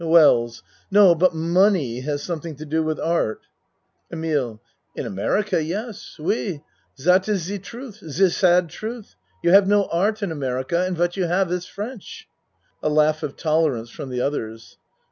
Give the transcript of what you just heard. WELLS No, but money has something to do with art. EMILE In America, yes. Oui zat is ze truth ze sad truth. You have no art in America and what you have is French. (A laugh of tolerance from the others.)